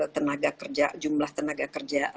tenaga kerja jumlah tenaga kerja